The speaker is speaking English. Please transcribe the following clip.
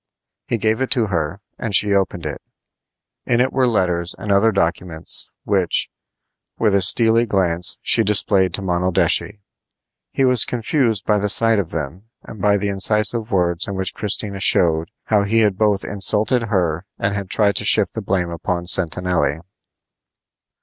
He gave it to her, and she opened it. In it were letters and other documents, which, with a steely glance, she displayed to Monaldeschi. He was confused by the sight of them and by the incisive words in which Christina showed how he had both insulted her and had tried to shift the blame upon Sentanelli.